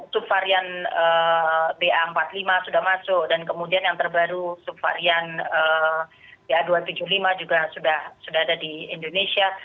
subvarian ba empat puluh lima sudah masuk dan kemudian yang terbaru subvarian ba dua ratus tujuh puluh lima juga sudah ada di indonesia